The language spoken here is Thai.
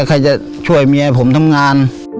ใครจะช่วยเมียผมทำงาน